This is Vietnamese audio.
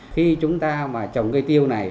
khi chúng ta trồng cây tiêu